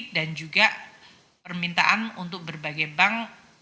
dan juga permintaan untuk berbagai bank